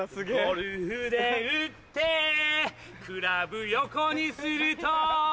ゴルフで打ってクラブ横にすると